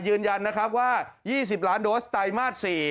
ยืนยันนะครับว่า๒๐ล้านโดสไตรมาส๔